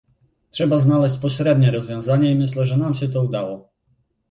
Trzeba znaleźć pośrednie rozwiązanie i myślę, że nam się to udało